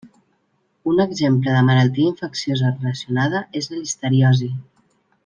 Un exemple de malaltia infecciosa relacionada és la listeriosi.